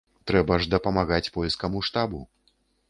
Трэба ж дапамагаць польскаму штабу.